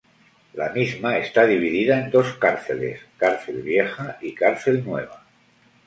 La misma está dividida en dos cárceles, cárcel vieja y cárcel nueva.